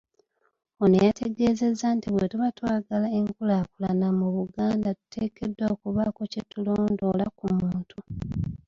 Ono yategeezezza nti bwe tuba twagala enkulaakulana mu Buganda tuteekeddwa okubaako kye tulondoola ku muntu.